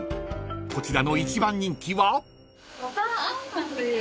［こちらの一番人気は？］